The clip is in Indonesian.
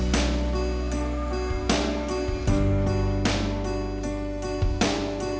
mama mau balik aja ke kantor tau